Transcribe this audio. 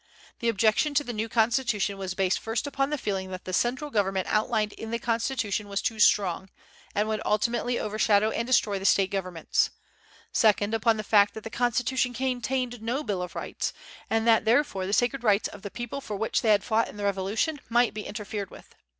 The objection to the new Constitution was based first upon the feeling that the central government outlined in the Constitution was too strong and would ultimately overshadow and destroy the State governments; second, upon the fact that the Constitution contained no Bill of Rights, and that therefore the sacred rights of the people for which they had fought in the Revolution might be interfered with.